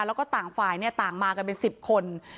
แล้วก็ต่างฝ่ายต่างมากันเป็น๑๐คน